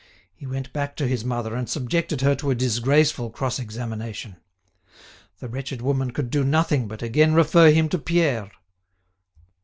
He went back to his mother and subjected her to a disgraceful cross examination. The wretched woman could do nothing but again refer him to Pierre.